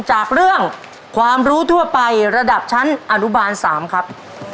จากเรื่องความรู้ทั่วไประดับชั้นอนุบาล๓ครับ